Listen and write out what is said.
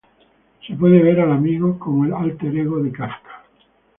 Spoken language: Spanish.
Se puede ver al amigo como el Alter Ego de Kafka.